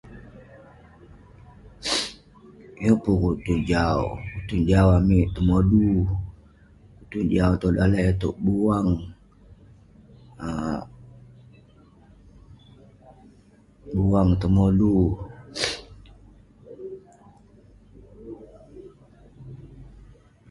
Yeng pun kutun jau. Kutun jau amik tengodu, kutun jau tong daleh iteuk buang. Buang, tengodu.